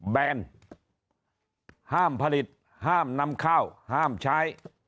แนนห้ามผลิตห้ามนำข้าวห้ามใช้